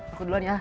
aku duluan ya